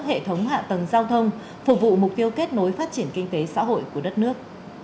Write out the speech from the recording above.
hệ thống hạ tầng giao thông phục vụ mục tiêu kết nối phát triển kinh tế xã hội của đất nước